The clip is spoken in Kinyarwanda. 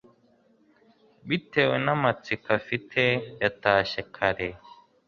Bitewe namatsiko afite yatashye kare